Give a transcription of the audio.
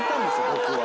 僕は。